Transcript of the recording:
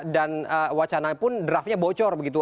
dan wacana pun draftnya bocor begitu